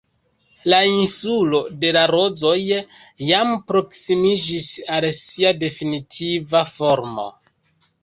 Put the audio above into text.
La Insulo de la Rozoj jam proksimiĝis al sia definitiva formo.